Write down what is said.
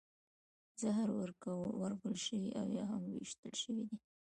زهر ورکړل شوي او یا هم ویشتل شوي دي